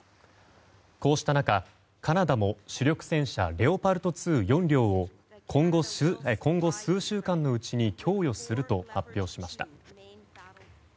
こうした中、カナダも主力戦車レオパルト２４両を今後数週間のうちに供与すると発表しました。